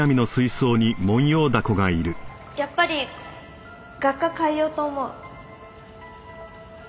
やっぱり学科変えようと思う。